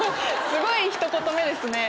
すごいひと言目ですね。